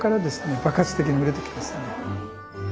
爆発的に売れてきますね。